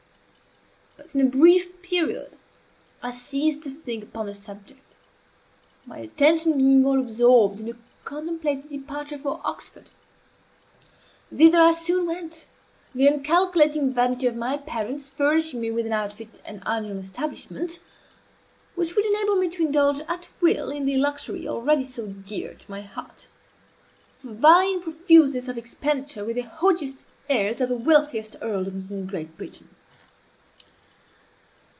But in a brief period I ceased to think upon the subject, my attention being all absorbed in a contemplated departure for Oxford. Thither I soon went, the uncalculating vanity of my parents furnishing me with an outfit and annual establishment which would enable me to indulge at will in the luxury already so dear to my hear to vie in profuseness of expenditure with the haughtiest heirs of the wealthiest earldoms in Great Britain.